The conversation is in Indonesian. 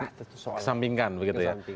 kesampingkan begitu ya